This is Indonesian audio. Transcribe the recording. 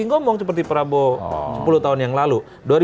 ngomong seperti prabowo sepuluh tahun yang lalu